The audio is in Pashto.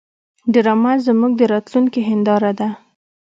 ډرامه زموږ د راتلونکي هنداره ده